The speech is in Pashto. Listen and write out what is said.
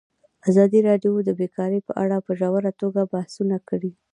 ازادي راډیو د بیکاري په اړه په ژوره توګه بحثونه کړي.